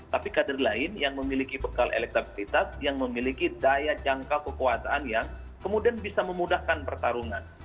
tapi kader lain yang memiliki bekal elektabilitas yang memiliki daya jangka kekuasaan yang kemudian bisa memudahkan pertarungan